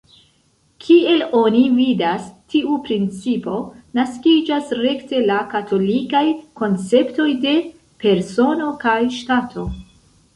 Kiel oni vidas tiu principo naskiĝas rekte la katolikaj konceptoj de "persono" kaj "ŝtato".